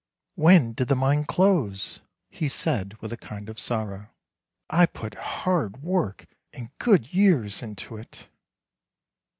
" When did the mine close? " he said with a kind of sorrow ;" I put hard work and good years into it."